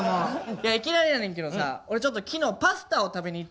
いやいきなりやねんけどさ俺昨日パスタを食べに行ってやんか。